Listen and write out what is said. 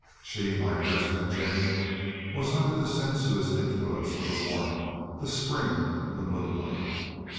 She, like Lester and Jennie, was under the sensuous influence of the warmth, the spring, the moonlight.